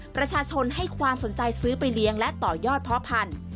ประชาชนให้ความสนใจซื้อไปเลี้ยงและต่อยอดเพาะพันธุ์